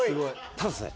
ただですね